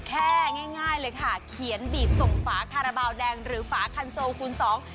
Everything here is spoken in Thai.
ง่ายง่ายเลยค่ะเขียนบีบส่งฝาคาราบาลแดงหรือฝาคันโซคูณสอง